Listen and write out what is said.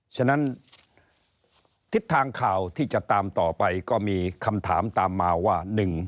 ฉะนั้นทิศทางข่าวที่จะตามต่อไปก็มีคำถามตามมาว่า